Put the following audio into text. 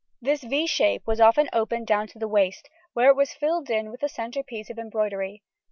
This =V= shape was often open down to the waist, where it was filled in with a centre piece of embroidery.